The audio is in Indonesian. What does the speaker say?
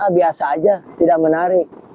biasa aja tidak menarik